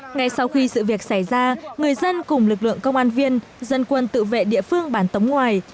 ngay sau khi sự việc xảy ra người dân cùng lực lượng công an viên dân quân tự vệ địa phương bản tống ngoài